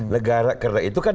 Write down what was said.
negara karena itu kan